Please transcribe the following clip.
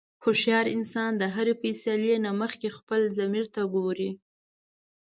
هوښیار انسان د هرې فیصلې نه مخکې خپل ضمیر ته ګوري.